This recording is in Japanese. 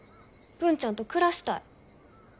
文ちゃんと暮らしたい。